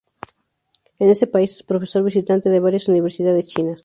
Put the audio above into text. En ese país es profesor visitante de varias universidades chinas.